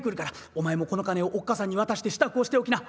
お前もこの金をおっ母さんに渡して支度をしておきな。